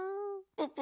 ププ！